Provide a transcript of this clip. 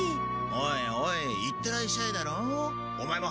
おいおいいってらっしゃいだろ。